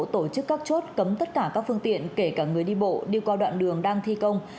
tổ chức các chốt cấm tất cả các phương tiện kể cả người đi bộ đi qua đoạn đường đang thi công